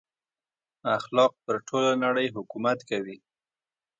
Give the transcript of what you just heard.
اخلاق پر ټوله نړۍ حکومت کوي.